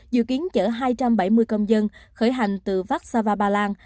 dự kiến chở hai trăm bảy mươi công dân khởi hành từ vác sa va ba lan